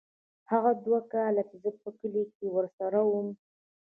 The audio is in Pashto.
هغه دوه کاله چې زه په کلي کښې ورسره وم.